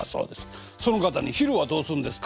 その方に「昼はどうすんですか？」